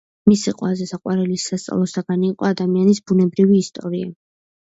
მისი ყველაზე საყვარელი სასწავლო საგანი იყო ადამიანის ბუნებრივი ისტორია.